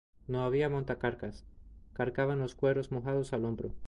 No había montacargas; cargaban los cueros mojados a hombro.